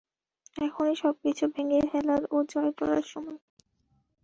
এখনই সবকিছু ভেঙে ফেলার ও জয় করার সময়।